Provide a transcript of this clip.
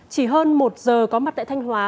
chỉ hơn một giờ có mặt tại thanh hóa